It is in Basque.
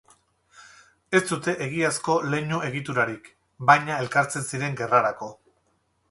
Ez dute egiazko leinu-egiturarik, baina elkartzen ziren gerrarako.